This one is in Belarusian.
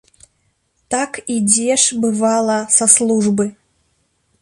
Так ідзеш, бывала, са службы.